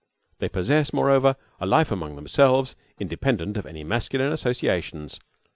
They possess, moreover, a life among themselves, independent of any masculine associations.